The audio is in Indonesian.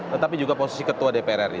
tetapi juga posisi ketua dpr ri